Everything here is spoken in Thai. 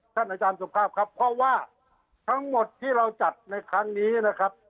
อาจารย์สุภาพครับเพราะว่าทั้งหมดที่เราจัดในครั้งนี้นะครับ